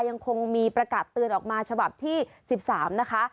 ยังคงมีประกาศเตือนออกมาฉบับที่๑๓นะคะ